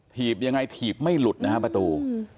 ีบยังไงถีบไม่หลุดนะครับประตู